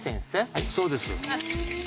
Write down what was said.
はいそうです。